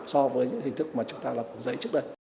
so với những hình thức mà chúng ta đã dạy trước đây